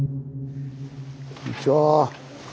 こんにちは。